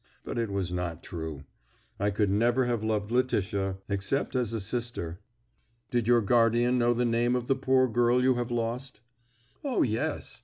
But it was not true; I could never have loved Letitia except as a sister." "Did your guardian know the name of the poor girl you have lost?" "O, yes.